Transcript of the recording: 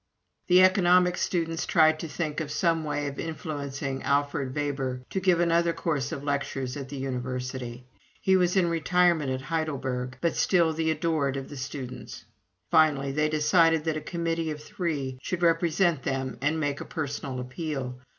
The economics students tried to think of some way of influencing Alfred Weber to give another course of lectures at the University. He was in retirement at Heidelberg, but still the adored of the students. Finally, they decided that a committee of three should represent them and make a personal appeal.